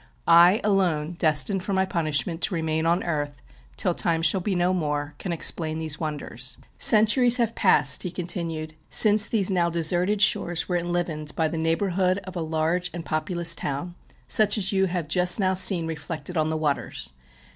I, alone, (destined for my punishment to remain on earth 'till time shall be no wore,') can explain these wonders. Centuries have passed," he continued, "since these now deserted shores were enlivened by the neighbourhood of a large and po pulous town, such as you have just now seen reflected on the waters.